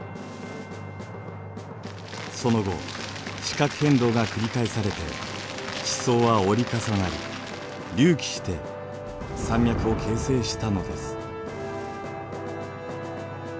その後地殻変動が繰り返されて地層は折り重なり隆起して山脈を形成したのです。